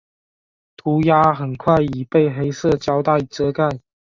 涂鸦很快已被黑色胶袋遮盖。